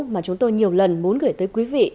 mà chúng tôi nhiều lần muốn gửi tới quý vị